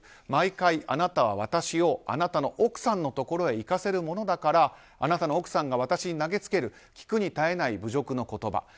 毎回、あなたは私をあなたの奥さんへ行かせるものだからあなたの奥さんが私に投げつける聞くに堪えない侮辱の言葉